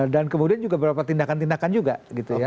kemudian juga beberapa tindakan tindakan juga gitu ya